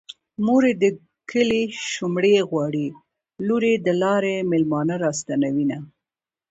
مور يې د کلي شومړې غواړي لور يې د لارې مېلمانه راستنوينه